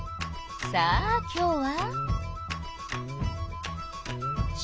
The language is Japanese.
さあきょうは。